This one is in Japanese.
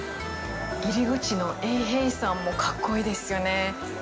入り口の衛兵さんも格好いいですよね。